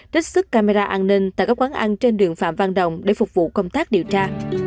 trích xuất camera an ninh tại các quán ăn trên đường phạm văn đồng để phục vụ công tác điều tra